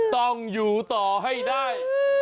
ต้องอยู่ต่อให้ได้